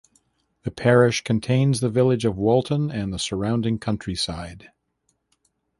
The parish contains the village of Walton and the surrounding countryside.